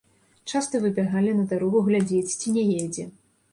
Часта выбягалі на дарогу глядзець, ці не едзе.